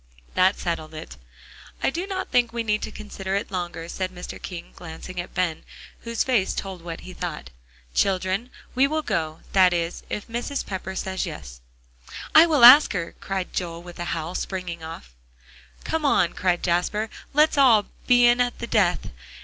That settled it. "I do not think we need to consider it longer," said Mr. King, glancing at Ben, whose face told what he thought, "children, we will go that is, if Mrs. Pepper says yes. "I will ask her," cried Joel with a howl, springing off. "Come on," cried Jasper, "let's all 'be in at the death.'"